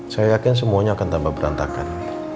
saya yakin semuanya akan tambah berantakan